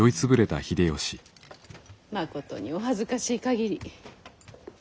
まことにお恥ずかしい限り。